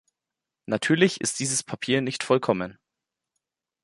Natürlich ist dieses Papier nicht vollkommen.